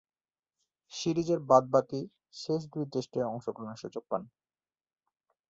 সিরিজের বাদ-বাকী শেষ দুই টেস্টে অংশগ্রহণের সুযোগ পান।